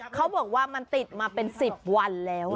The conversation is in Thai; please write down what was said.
เขาบอกว่ามันติดมาเป็น๑๐วันแล้ว